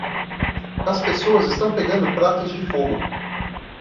As pessoas estão pegando pratos de fogo.